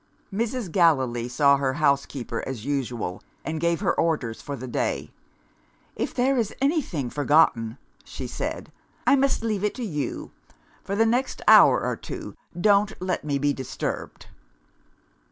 Mrs. Gallilee saw her housekeeper as usual, and gave her orders for the day. "If there is anything forgotten," she said, "I must leave it to you. For the next hour or two, don't let me be disturbed."